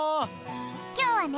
きょうはね